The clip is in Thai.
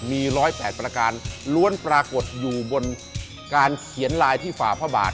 มี๑๐๘ประการล้วนปรากฏอยู่บนการเขียนลายที่ฝ่าพระบาท